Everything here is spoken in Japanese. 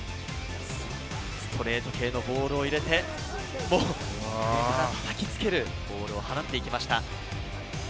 ストレート系なボールを入れて、たたきつけるボールを放っていきました。